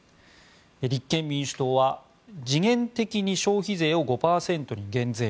立憲民主党は時限的に消費税を５％に減税。